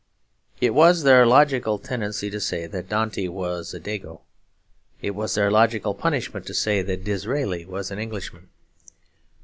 It was their logical tendency to say that Dante was a Dago. It was their logical punishment to say that Disraeli was an Englishman.